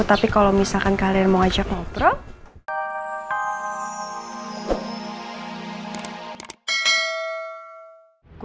tapi kalau misalkan kalian mau ajak ngobrol